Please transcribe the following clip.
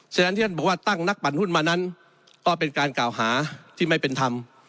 ฉะนั้นที่ท่านบอกว่าตั้งนักปั่นหุ้นมานั้นก็เป็นการกล่าวหาที่ไม่เป็นธรรม